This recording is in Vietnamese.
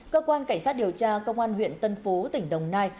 cơ quan cảnh sát điều tra công an huyện tân phú tỉnh đồng nai